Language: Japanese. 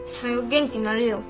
元気なれよ。